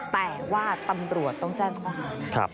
แต่ว่าตำรวจต้องแจ้งข้อหา